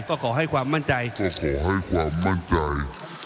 ก็ขอให้ความมั่นใจโอเคให้ผมมั่นใจ